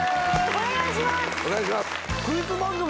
お願いします。